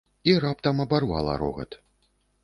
І раптам абарвала рогат.